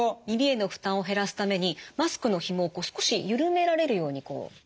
耳への負担を減らすためにマスクのひもを少し緩められるようにこう。